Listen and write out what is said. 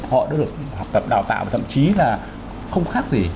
họ đã được học tập đào tạo và thậm chí là không khác gì